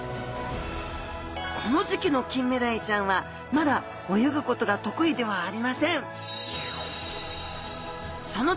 この時期のキンメダイちゃんはまだ泳ぐことが得意ではありません。